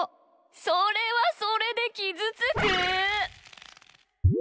それはそれできずつく！